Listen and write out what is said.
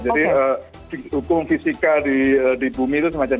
jadi hukum fisika di bumi itu semacam ini